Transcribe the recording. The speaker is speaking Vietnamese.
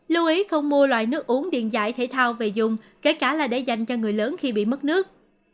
lưu ý không mua loại nước uống điện giải thể thao về dùng kể cả là để dành cho người lớn khi bị mất nước